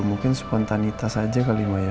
mungkin spontanitas aja kali maya